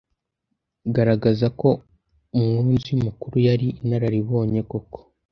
Garagaza ko umwunzi mukuru yari inararibonye koko.